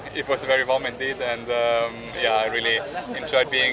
ini memang sangat hangat dan saya sangat senang untuk berada di sini